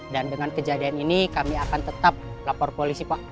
dan dengan kejadian ini kami akan tetap lapor polisi pak